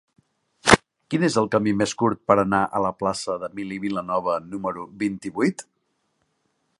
Quin és el camí més curt per anar a la plaça d'Emili Vilanova número vint-i-vuit?